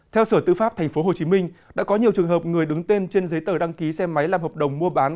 theo sở tư pháp tp hcm đã có nhiều trường hợp người đứng tên trên giấy tờ đăng ký xe máy làm hợp đồng mua bán